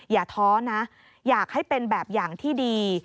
อย่าท้อนะอยากให้เป็นแบบอย่างที่ดี